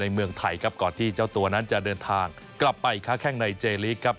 เมืองไทยครับก่อนที่เจ้าตัวนั้นจะเดินทางกลับไปค้าแข้งในเจลีกครับ